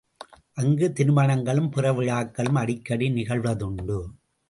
அங்கு திருமணங்களும் பிற விழாக்களும் அடிக்கடி நிகழ்வதுண்டு.